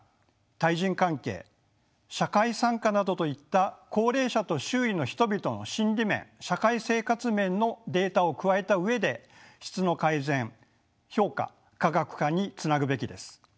対人関係社会参加などといった高齢者と周囲の人々の心理面社会生活面のデータを加えた上で質の改善評価科学化につなぐべきです。